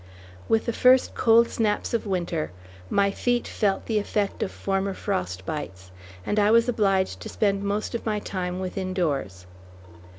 With the first cold snaps of winter, my feet felt the effect of former frost bites, and I was obliged to spend most of my time within doors.